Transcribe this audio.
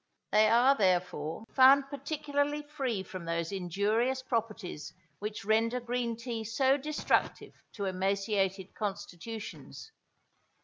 They are, therefore, found particularly free from those injurious properties which render green tea so destructive to emaciated constitutions.